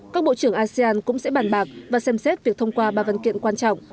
các bộ trưởng asean cũng sẽ bàn bạc và xem xét việc thông qua ba văn kiện quan trọng